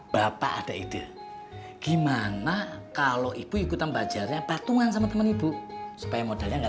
bapak ada ide gimana kalau ibu ikutan belajarnya patungan sama temen ibu supaya modalnya enggak